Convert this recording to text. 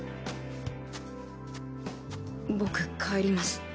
僕帰ります。